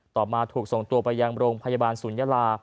ต่อมาถูกส่งตัวไปยังโรงพยาบาลศูนยาลา